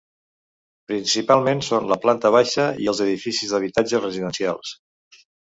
Principalment són la planta baixa i els edificis d'habitatge residencials.